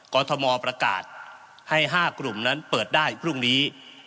กรทมประกาศให้๕กลุ่มนั้นเปิดได้พรุ่งนี้